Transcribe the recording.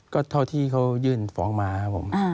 ก็เท่าที่เขายื่นฟ้องมาครับผม